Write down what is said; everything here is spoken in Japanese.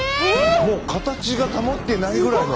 もう形が保ってないぐらいの。